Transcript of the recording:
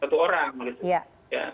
satu orang gitu